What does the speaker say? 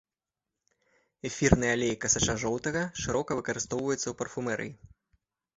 Эфірны алей касача жоўтага шырока выкарыстоўваецца ў парфумерыі.